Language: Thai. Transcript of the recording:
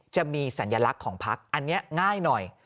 จะมีสัญลักษณ์ของพักอันนี้ง่ายหน่อย